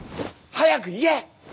早く言え！